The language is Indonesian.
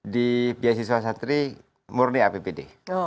di beasiswa santri murni apbd